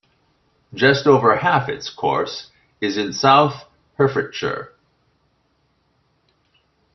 Just over half its course is in south Hertfordshire.